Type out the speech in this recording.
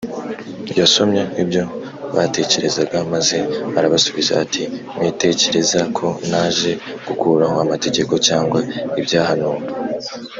yasomye ibyo batekerezaga maze arabasubiza ati: “mwitekereza ko naje gukuraho amategeko cyangwa ibyahanuwe